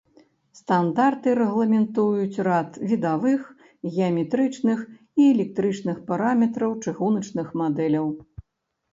Стандарты рэгламентуюць рад відавых, геаметрычных і электрычных параметраў чыгуначных мадэляў.